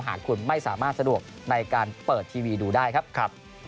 หากคุณไม่สามารถสะดวกในการเปิดทีวีดูได้ครับ